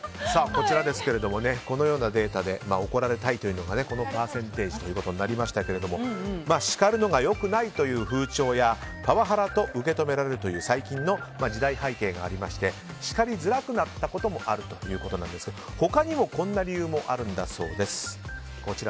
このようなデータで怒られたいというのがこのパーセンテージとなりましたけれども叱るのが良くないという風潮やパワハラと受け止められるという最近の時代背景がありまして叱りづらくなったこともあるということなんですが他にも、こんな理由もあるんだそうです。